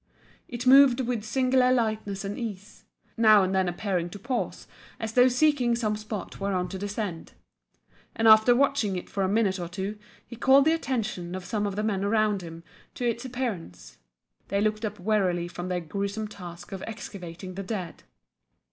It moved with singular lightness and ease, now and then appearing to pause as though seeking some spot whereon to descend, and after watching it for a minute or two he called the attention of some of the men around him to its appearance. They looked up wearily from their gruesome task of excavating the dead.